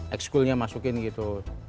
ex schoolnya masukin gitu